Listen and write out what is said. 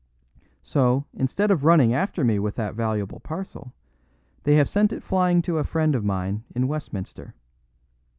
So, instead of running after me with that valuable parcel, they have sent it flying to a friend of mine in Westminster."